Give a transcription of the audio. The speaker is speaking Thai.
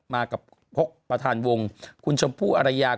มากับประธานวงคุณชมพู่อรยา